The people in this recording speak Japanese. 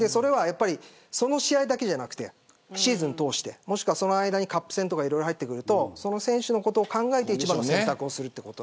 その試合だけじゃなくてシーズンを通してもしくは、その間にカップ戦とか入ってくるとその選手のことを考えて一番の選択をします。